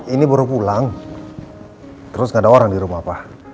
ini baru pulang terus nggak ada orang di rumah apa